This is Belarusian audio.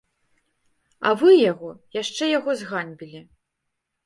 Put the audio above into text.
А вы яго яшчэ яго зганьбілі.